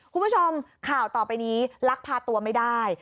คุณผู้ชมข่าวต่อไปนี้ลักพาตัวไม่ได้